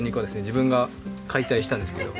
自分が解体したんですけど。